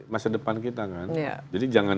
masa depan kita kan jadi jangan